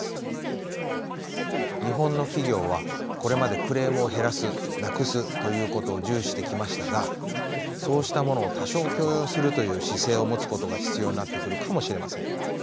日本の企業はこれまでクレームを減らすなくすということを重視してきましたがそうしたものを多少許容するという姿勢を持つことが必要になってくるかもしれません。